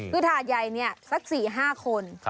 คือถาดใหญ่เนี่ยสัก๔๕คน